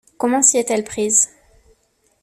Comment s’y est-elle prise ?